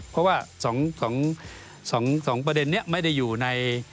เพราะว่า๒ประเด็นนี้ไม่ได้อยู่ใน